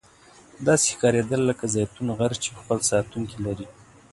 داسې ښکاریدل لکه زیتون غر چې خپل ساتونکي لري.